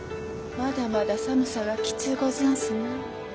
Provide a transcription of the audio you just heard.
まだまだ寒さがきつうござんすな。